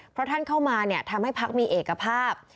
เพราะท่านเข้ามาทำให้พักมีเอกภาพ